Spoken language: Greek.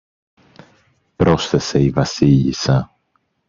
πρόσθεσε η Βασίλισσα.